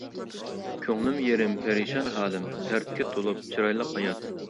كۆڭلۈم يېرىم، پەرىشان ھالىم، دەردكە تولۇپ چىرايلىق ھايات.